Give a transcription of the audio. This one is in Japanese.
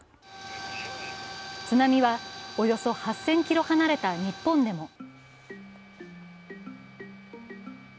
津波はおよそ８０００ｋｍ離れて日本でも。